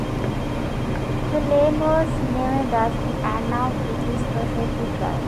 The lane was never dusty, and now it is perfectly dry.